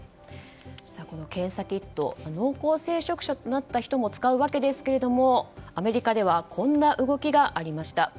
この検査キット濃厚接触者となった人も使うわけですけどもアメリカではこんな動きがありました。